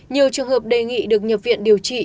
nhiều trường hợp đề nghị được nhập viện điều trị